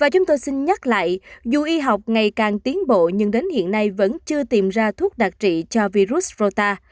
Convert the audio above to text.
chúng tôi xin nhắc lại dù y học ngày càng tiến bộ nhưng đến hiện nay vẫn chưa tìm ra thuốc đặc trị cho virus rota